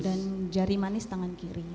dan jari manis tangan kiri